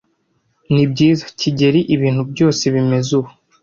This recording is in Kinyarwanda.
Nibyiza, kigeli. Ibintu byose bimeze ubu.